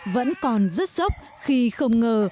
vẫn còn rất sốc khi không ngờ